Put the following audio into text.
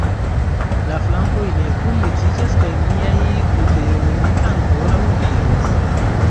La flankoj ne kunmetiĝas kaj miaj gluteoj ankoraŭ videblas!